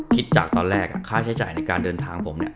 คิดจากตอนแรกค่าใช้จ่ายในการเดินทางผมเนี่ย